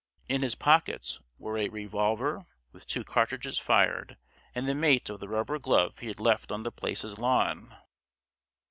In his pockets were a revolver, with two cartridges fired, and the mate of the rubber glove he had left on The Place's lawn.